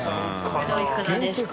これでおいくらですか？